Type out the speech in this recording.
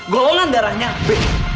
golongan darahnya b